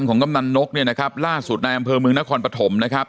กำนันนกเนี่ยนะครับล่าสุดในอำเภอเมืองนครปฐมนะครับ